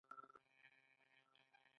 الوگان